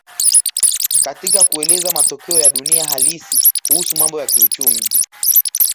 Katika kueleza matokeo ya dunia halisi kuhusu mambo ya kiuchumi